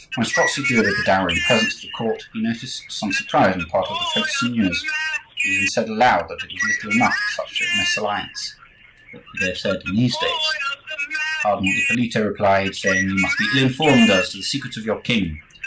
When Strozzi delivered the dowry in presence of the court he noticed some surprise on the part of the French seigneurs; they even said aloud that it was little enough for such a mesalliance (what would they have said in these days?). Cardinal Ippolito replied, saying:— "You must be ill informed as to the secrets of your king.